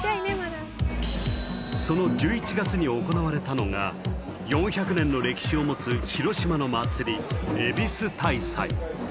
その１１月に行われたのが４００年の歴史を持つ広島の祭り胡子大祭